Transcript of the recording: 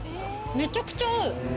めちゃくちゃ合う。